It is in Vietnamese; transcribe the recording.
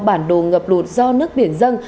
bản đồ ngập lụt do nước biển dân